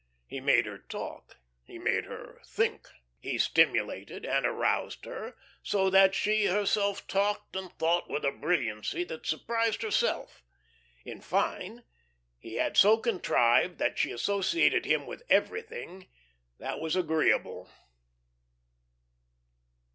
He made her talk; he made her think. He stimulated and aroused her, so that she herself talked and thought with a brilliancy that surprised herself. In fine, he had so contrived that she associated him with everything that was agreeable.